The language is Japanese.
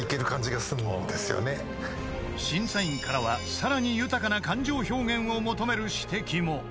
［審査員からはさらに豊かな感情表現を求める指摘も］